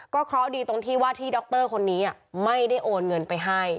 เพราะดีตรงที่ว่าที่ดรคนนี้ไม่ได้โอนเงินไปให้